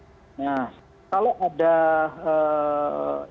yang punya data kekuasaan kekuasaan pekualitas dari pps itu saat ini